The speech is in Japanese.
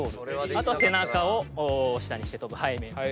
あと背中を下にして跳ぶ背面。